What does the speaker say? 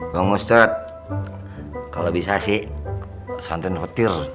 bang ustadz kalau bisa sih santrin petir